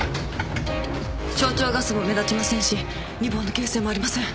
小腸ガスも目立ちませんしニボーの形成もありません。